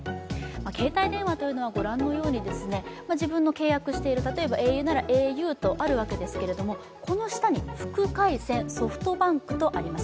携帯電話というのは自分の契約している、例えばａｕならａｕとあるわけですけどこの下に副回線ＳｏｆｔＢａｎｋとあります。